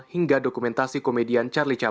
hingga dokumentasi komedian charlie charles